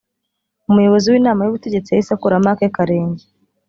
Umuyobozi w’inama y’ubutegetsi yahise akuramo ake karenge